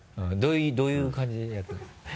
どういう感じでやったんですか？